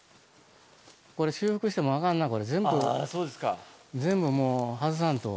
これ、修復してもあかんな、全部もう、外さんと。